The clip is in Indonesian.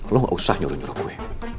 lo gak usah nyuruh nyuruh gue